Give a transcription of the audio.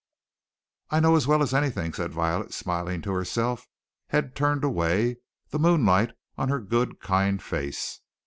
"I know as well as anything," said Violet, smiling to herself, head turned away, the moonlight on her good, kind face.